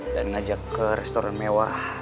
dan ngajak ke restoran mewah